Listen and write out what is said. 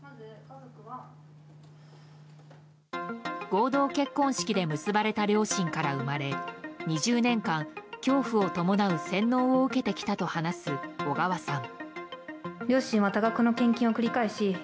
合同結婚式で結ばれた両親から生まれ２０年間、恐怖を伴う洗脳を受けてきたと話す小川さん。